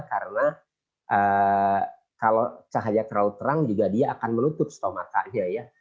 karena kalau cahaya terlalu terang juga dia akan menutup stomatanya